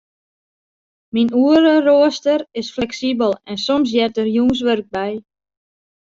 Myn oereroaster is fleksibel en soms heart der jûnswurk by.